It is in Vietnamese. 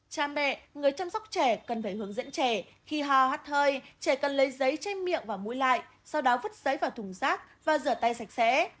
cha mẹ người chăm sóc trẻ cần phải hướng dẫn trẻ khi ho hát hơi trẻ cần lấy giấy trên miệng và mũi lại sau đó vứt giấy vào thùng rác và rửa tay sạch sẽ